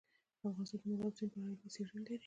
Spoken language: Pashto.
افغانستان د مورغاب سیند په اړه علمي څېړنې لري.